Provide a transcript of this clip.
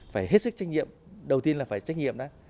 phải hết sức trách nhiệm đầu tiên là phải trách nhiệm đó